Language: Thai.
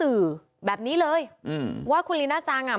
เมื่อที่ฉันดูพลังตังค์